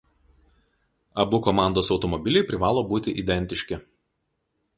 Abu komandos automobiliai privalo būti identiški.